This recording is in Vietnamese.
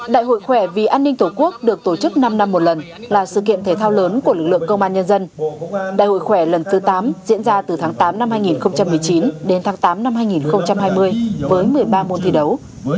đại hội khỏe vì an ninh tổ quốc được tổ chức năm năm một lần là sự kiện thể thao lớn của lực lượng công an nhân dân đại hội khỏe lần thứ tám diễn ra từ tháng tám năm hai nghìn một mươi chín đến tháng tám năm hai nghìn hai mươi với một mươi ba môn thi đấu